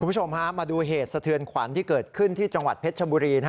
คุณผู้ชมฮะมาดูเหตุสะเทือนขวัญที่เกิดขึ้นที่จังหวัดเพชรชบุรี